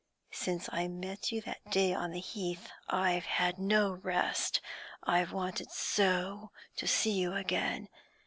Since I met you that day on the Heath, I have had no rest I've wanted so to see you again.